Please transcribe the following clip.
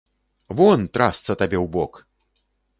Вон, трасца табе ў бок!